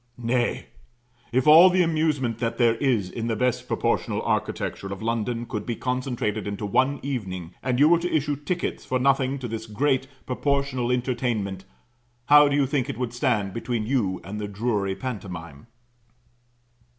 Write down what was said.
Nay, if all the amusement that there is in the best proportioned architecture of London could be concentrated into one evening, and you were to issue tickets for nothing to this great proportional entertainment; how do you think it would stand between you and the Drury pantomine?